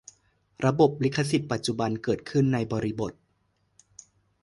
ระบบลิขสิทธิ์ปัจจุบันเกิดขึ้นในบริบท